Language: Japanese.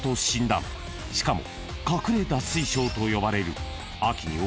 ［しかも］